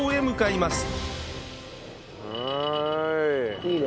いいね。